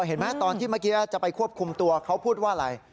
เห็นไหมตอนที่เมื่อกี้จะไปควบคุมตัวเขาพูดว่าอะไร